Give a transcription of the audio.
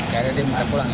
karena dia becah pulang